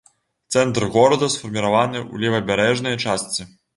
Цэнтр горада сфарміраваны ў левабярэжнай частцы.